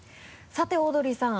さてオードリーさん。